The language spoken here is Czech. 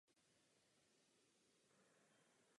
Ten proto oběma koupil její otec.